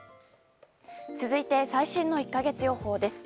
続いて、最新の１か月予報です。